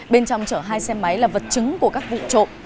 bên trong chở hai xe máy là vật chứng của các vụ trộm